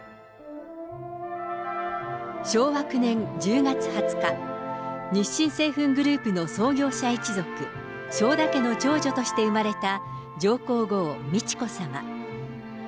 昭和９年１０月２０日、日清製粉グループの創業者一族、正田家の長女として生まれた上皇后美智子さま。